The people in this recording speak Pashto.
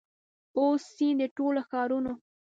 او س د ټولو ښارونو